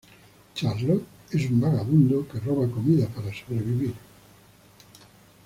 Charlot es un vagabundo que roba comida para sobrevivir.